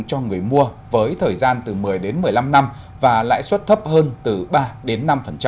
cho người mua với thời gian từ một mươi đến một mươi năm năm và lãi suất thấp hơn từ ba đến năm